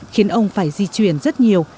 khiến ông phải di chuyển rất nhiều